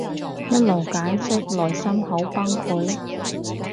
一路解釋內心好崩潰